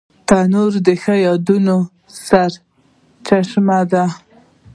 تنور د ښو یادونو سرچینه ده